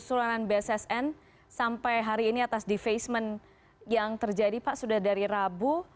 keseluruhan bssn sampai hari ini atas defacement yang terjadi pak sudah dari rabu